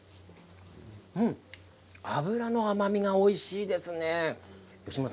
うん、脂の甘みがおいしいですね。